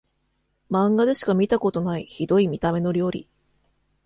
マンガでしか見たことないヒドい見た目の料理